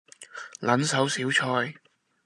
撚手小菜